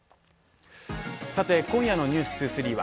さて、今夜の「ｎｅｗｓ２３」は